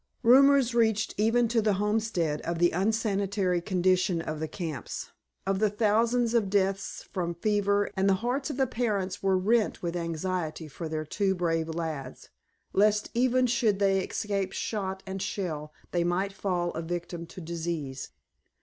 Rumors reached even to the homestead of the unsanitary condition of the camps, of the thousands of deaths from fever, and the hearts of the parents were rent with anxiety for their two brave lads, lest even should they escape shot and shell they might fall a victim to disease.